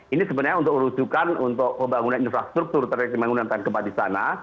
ini sebenarnya untuk merujukan untuk pembangunan infrastruktur terdiri dari pembangunan tanpa gempa di sana